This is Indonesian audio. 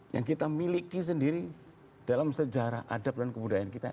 yang kita miliki sendiri dalam sejarah adab dan kebudayaan kita